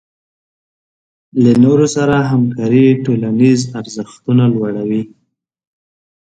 له نورو سره همکاري ټولنیز ارزښتونه لوړوي.